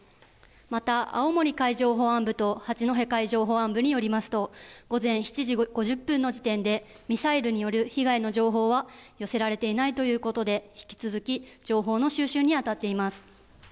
また、青森海上保安部と八戸海上保安部によりますと、午前７時５０分の時点で、ミサイルによる被害の情報は寄せられていないということで、引き続き情報の収集に当たっています。